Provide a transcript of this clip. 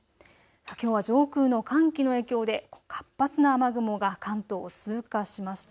きょうは上空の寒気の影響で活発な雨雲が関東を通過しました。